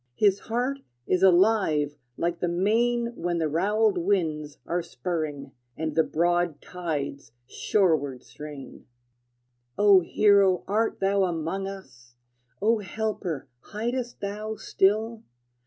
His heart is alive like the main When the roweled winds are spurring, And the broad tides shoreward strain. O hero, art thou among us? O helper, hidest thou still?